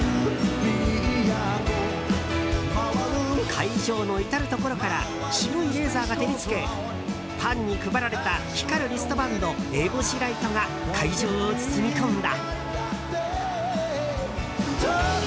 会場の至るところから白いレーザーが照りつけファンに配られた光るリストバンド烏帽子ライトが会場を包み込んだ。